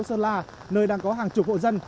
sơn la nơi đang có hàng chục hộ dân